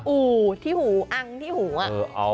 อู่ที่หูอังที่หูอ่ะ